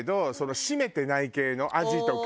締めてない系のアジとか。